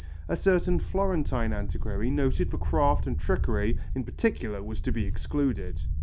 A certain Florentine antiquary noted for craft and trickery, in particular, was to be excluded.